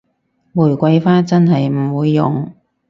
玫瑰花真係唔會用